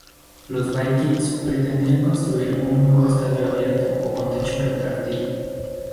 Los Vikings pretendían construir un nuevo estadio abierto o con techo retráctil.